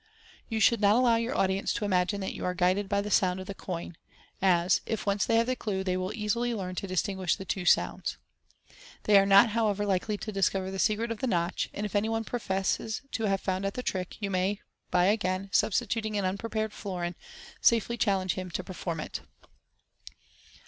You should not allow your audience to imagine that you are guided by the sound of the coin, as, if once they have the cine, they will easily learn to distinguish the two sounds. They are not, however, likely to discover the secret of the notch, and if any one professes to have found out the trick, you may, by again substituting an unprepared florin, safely challenge him to per form it.